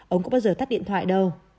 ông cũng bao giờ tắt điện thoại đâu